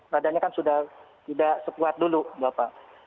radanya kan sudah tidak sekuat dulu bapak